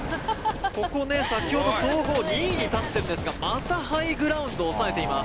ここね先ほど総合２位に立ってるんですがまたハイグラウンドを押さえています。